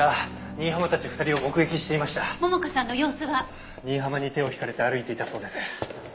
新浜に手を引かれて歩いていたそうです。